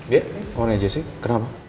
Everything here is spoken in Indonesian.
iya kamarnya jessy kenapa